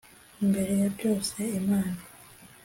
mbere ya byose imana